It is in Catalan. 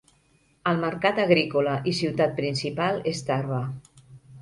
El mercat agrícola i ciutat principal és Tarba.